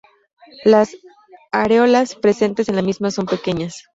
Las areolas presentes en la misma son pequeñas.